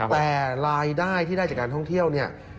แต่รายได้ที่ได้จากการท่องเที่ยวเนี่ย